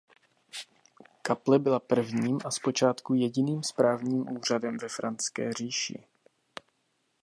Kaple byla prvním a zpočátku jediným správním úřadem ve Franské říši.